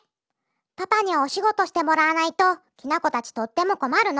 パパにはおしごとしてもらわないときなこたちとってもこまるの！